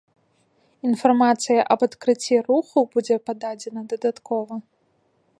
Інфармацыя аб адкрыцці руху будзе пададзена дадаткова.